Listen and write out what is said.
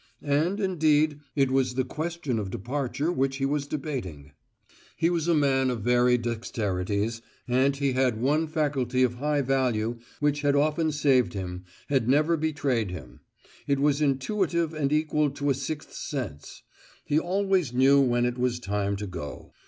And, indeed, it was the question of departure which he was debating. He was a man of varied dexterities, and he had one faculty of high value, which had often saved him, had never betrayed him; it was intuitive and equal to a sixth sense: he always knew when it was time to go.